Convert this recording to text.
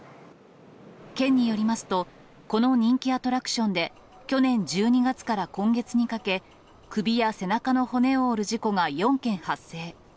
県によりますと、この人気アトラクションで、去年１２月から今月にかけ、首や背中の骨を折る事故が４件発生。